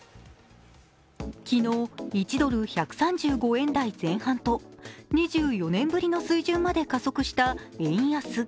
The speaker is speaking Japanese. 昨日、１ドル＝１３５円台前半と２４年ぶりの水準まで加速した円安。